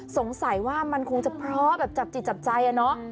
สงสัยว่ามันคงจะเพราะแบบจับจิตจับใจอะเนาะ